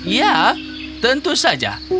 ya tentu saja